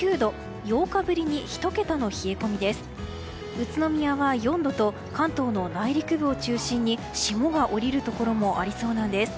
宇都宮は４度と関東の内陸部を中心に霜が降りるところもありそうなんです。